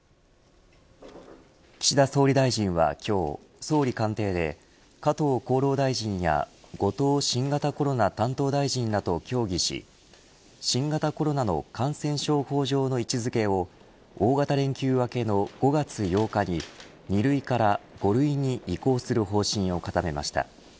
岸田総理大臣は今日総理官邸で加藤厚労大臣や後藤新型コロナ担当大臣らと協議し新型コロナの感染症法上の位置付けを大型連休明けの５月８日に２類から５類に移行する方針を固めました。